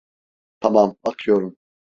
Tamam, bakıyorum.